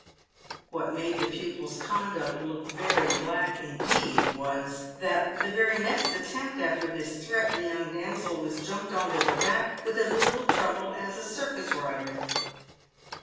What made the pupil's conduct look very black indeed was, that the very next attempt after this threat the young damsel was jumped on to the back with as little trouble as a circus rider.